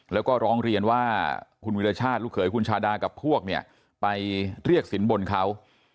แล้วก็ร้องเรียนว่าคุณวิรชาติลูกเขยคุณชาดากับพวกเนี่ยไปเรียกสินบนเขา